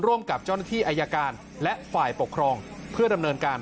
กับเจ้าหน้าที่อายการและฝ่ายปกครองเพื่อดำเนินการ